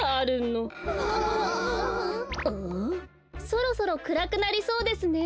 そろそろくらくなりそうですね。